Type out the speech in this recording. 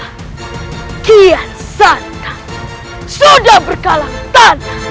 apa yang kamu inginkannya